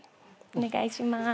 お願いします。